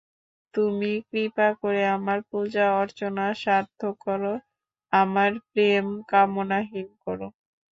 তুমি কৃপা করে আমার পূজা-অর্চনা সার্থক কর, আমার প্রেম কামনাহীন কর।